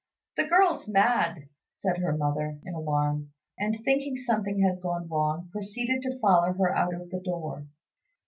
"The girl's mad," said her mother, in alarm; and, thinking something had gone wrong, proceeded to follow her out of the door.